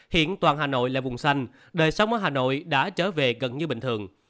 hiện toàn hà nội là vùng xanh đời sống ở hà nội đã trở về gần như bình thường